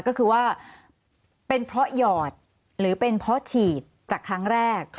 ก็คือว่าเป็นเพราะหยอดหรือเป็นเพราะฉีดจากครั้งแรก